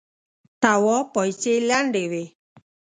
تواب پايڅې لندې وې.